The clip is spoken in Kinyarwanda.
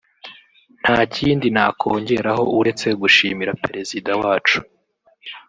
nta kindi nakongeraho uretse gushimira Perezida wacu